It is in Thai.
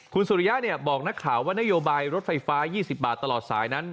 คุณสุริยะบอกนักข่าวว่านโยบายรถไฟฟ้า๒๐บาทตลอดสายนั้น